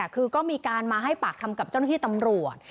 คือก็มีการมาให้ปากคำกับเจ้าหน้าที่ตำรวจ